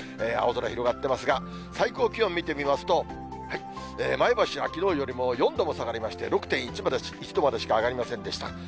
青空広がってますが、最高気温見てみますと、前橋はきのうよりも４度も下がりまして６．１度までしか上がりませんでした。